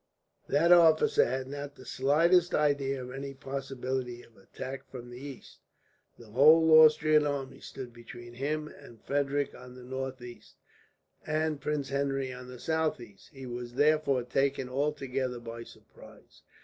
That officer had not the slightest idea of any possibility of attack from the east. The whole Austrian army stood between him and Frederick on the northeast, and Prince Henry on the southeast. He was therefore taken altogether by surprise.